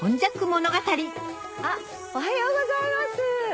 ものがたりあっおはようございます。